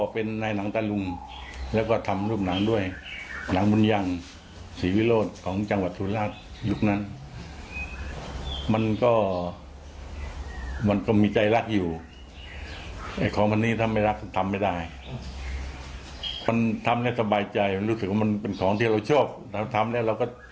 เป็นสิ่งที่เราอยากจะทำ